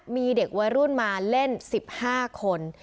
มีเด็กวัยรุ่นมาเล่น๑๕คน